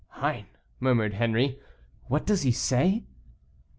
"Hein," murmured Henri, "what does he say?"